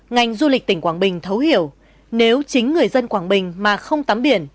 ngành du lịch tỉnh quảng bình thấu hiểu nếu chính người dân quảng bình mà không tắm biển